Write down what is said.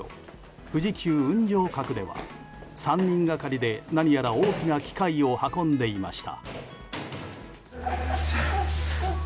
富士急雲上閣では３人がかりで何やら大きな機械を運んでいました。